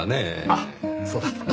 あっそうだった。